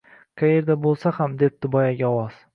Qayerda bo’lsa ham!-debdi boyagi ovoz.